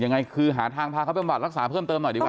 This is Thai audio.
ยังไงคือหาทางพาเขาไปบัดรักษาเพิ่มเติมหน่อยดีกว่า